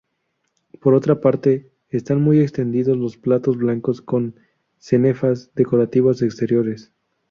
Por otra parte, están muy extendidos los platos blancos con cenefas decorativas exteriores.